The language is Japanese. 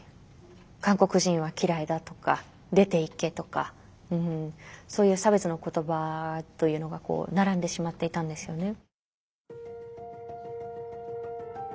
「韓国人は嫌いだ」とか「出ていけ」とかそういう差別の言葉というのが並んでしまっていたんですよね。